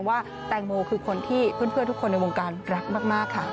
ว่าแตงโมคือคนที่เพื่อนทุกคนในวงการรักมากค่ะ